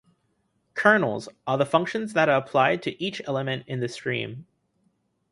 "Kernels" are the functions that are applied to each element in the stream.